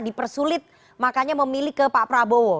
dipersulit makanya memilih ke pak prabowo